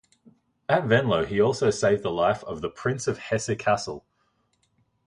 At Venlo he also saved the life of the Prince of Hesse-Kassel.